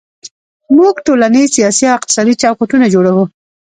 موږ ټولنیز، سیاسي او اقتصادي چوکاټونه جوړوو.